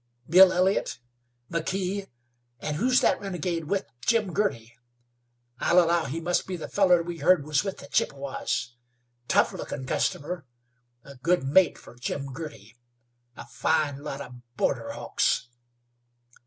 Bill Elliott, McKee; and who's that renegade with Jim Girty? I'll allow he must be the fellar we heard was with the Chippewas. Tough lookin' customer; a good mate fer Jim Girty! A fine lot of border hawks!"